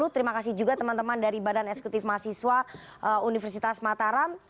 terima kasih juga teman teman dari badan eksekutif mahasiswa universitas mataram